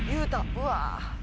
うわ。